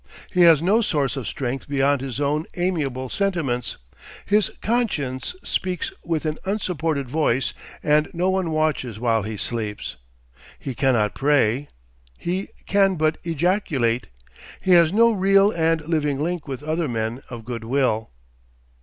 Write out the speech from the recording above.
He has no source of strength beyond his own amiable sentiments, his conscience speaks with an unsupported voice, and no one watches while he sleeps. He cannot pray; he can but ejaculate. He has no real and living link with other men of good will.